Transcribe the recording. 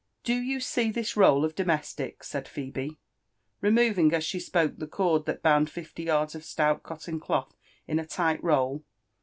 " Do you see this roll of domestic?" said PhebOr removing as she spoke the cord that bound fifty yards of stout cotton cloth into a tight roll.